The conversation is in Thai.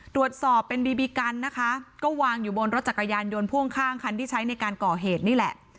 ตรวจสอบเป็นบีบีกันนะคะก็วางอยู่บนรถจักรยานยนต์พ่วงข้างคันที่ใช้ในการก่อเหตุนี่แหละ